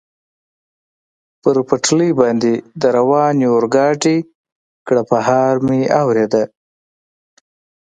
پر پټلۍ باندې د روانې اورګاډي کړپهار مې اورېده.